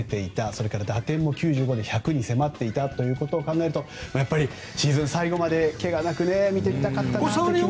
それから打点も９５で１００に迫っていたことを考えるとやはりシーズン最後まで怪我なく見てみたかったなというのは。